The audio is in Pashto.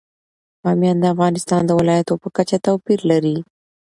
بامیان د افغانستان د ولایاتو په کچه توپیر لري.